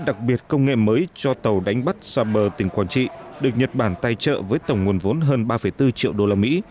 đặc biệt công nghệ mới cho tàu đánh bắt xa bờ tỉnh quảng trị được nhật bản tài trợ với tổng nguồn vốn hơn ba bốn triệu đô la mỹ